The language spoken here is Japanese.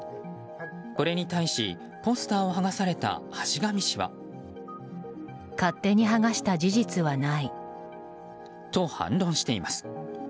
これに対しポスターを剥がされた橋上氏はと反論しています。